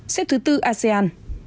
xếp thứ bốn asean